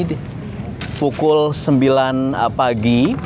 di pukul sembilan pagi